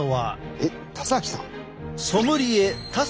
えっ田崎さん？